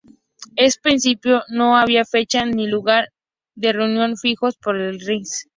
En principio no había fecha ni lugar de reunión fijos para el "Reichstag".